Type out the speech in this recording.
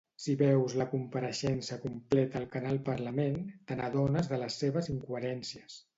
Si veus la compareixença completa al canal Parlament, te n'adones de les seves incoherències.